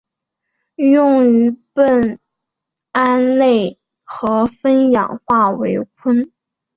用于将苯胺类和酚氧化为醌。